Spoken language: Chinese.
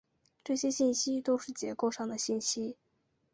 这些信息都是结构上的信息。